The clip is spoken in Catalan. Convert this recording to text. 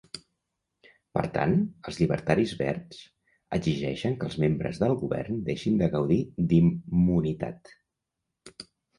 Per tant, els llibertaris verds exigeixen que els membres del govern deixin de gaudir d'immunitat.